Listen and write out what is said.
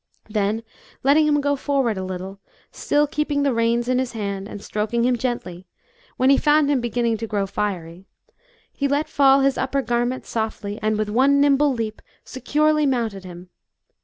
Then letting him go forward a little, still keeping the reins in his hand and stroking him gently, when he found him beginning to grow fiery, he let fall his upper garment softly and with one nimble leap, securely mounted him.